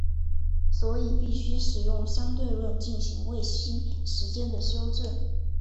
所以必须使用相对论进行卫星时间的修正。